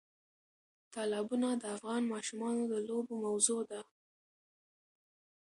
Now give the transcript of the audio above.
تالابونه د افغان ماشومانو د لوبو موضوع ده.